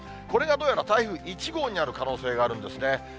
これがどうやら台風１号になる可能性があるんですね。